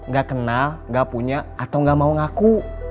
gak kenal gak punya atau gak mau ngaku